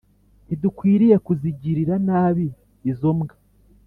ntidukwiriye kuzigirira nabi izo mbwa